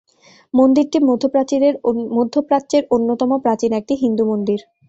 মন্দিরটি মধ্যপ্রাচ্যের অন্যতম প্রাচীন একটি হিন্দু মন্দির।